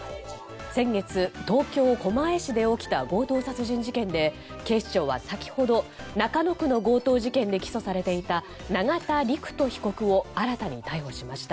先月、東京・狛江市で起きた強盗殺人事件で警視庁は先ほど、中野区の強盗事件で起訴されていた永田陸人容疑者を新たに逮捕しました。